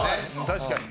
確かに。